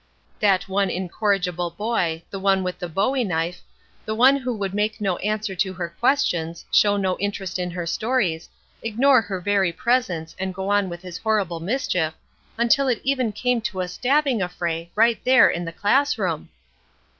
That one incorrigible boy, the one with the bowie knife, the one who would make no answer to her questions, show no interest in her stories, ignore her very presence and go on with his horrible mischief, until it even came to a stabbing affray right there in the class room!